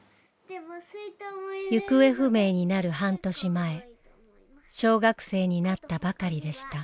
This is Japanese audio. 行方不明になる半年前小学生になったばかりでした。